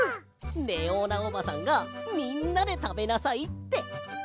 レオーナおばさんがみんなでたべなさいって。